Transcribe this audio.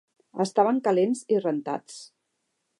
Estaven calents i rentats.